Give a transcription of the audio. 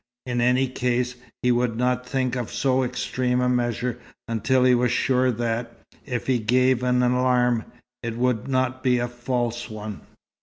In any case, he would not think of so extreme a measure, until he was sure that, if he gave an alarm, it would not be a false one.